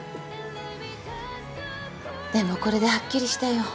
でもこれではっきりしたよ。